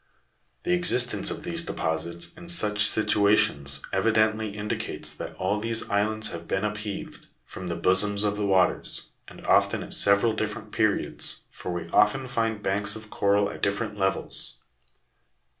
The existence of these deposits in such situations evidently indicates that all these islands have been upheaved from the bosom of the waters, and often at several different periods, for we often find banks of coral at different levels.